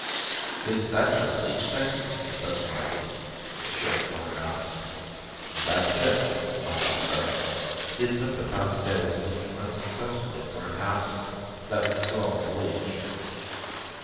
"Is that your leech thing, Professor Micheals?" Sheriff Flynn asked. "That's it," Micheals said. He had spent the past days looking unsuccessfully for an acid that would dissolve the leech.